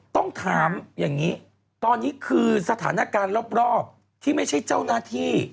ต้องถามอย่างนี้ตอนนี้คือสถานการณ์รอบที่ไม่ใช่เจ้าหน้าที่